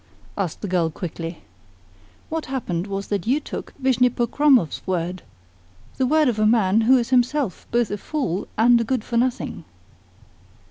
asked the girl quickly. "What happened was that you took Vishnepokromov's word the word of a man who is himself both a fool and a good for nothing."